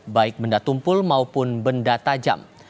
baik benda tumpul maupun benda tajam